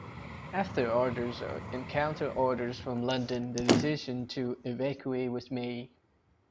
After orders and counterorders from London, the decision to evacuate was made.